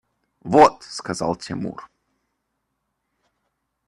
– Вот! – сказал Тимур.